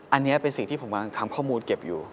อันนี้เป็นสิ่งที่ผมกำลังทำข้อมูลเก็บอยู่